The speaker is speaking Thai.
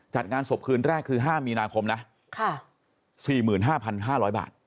จัดงานศพคืนแรกคือ๕มีนาคมนะ๔๕๕๐๐บาท